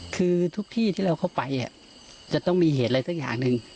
คือทุกที่ที่เราเข้าไปจะต้องมีเหตุอะไรสักอย่างหนึ่ง